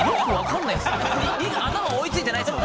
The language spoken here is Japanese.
頭追いついてないです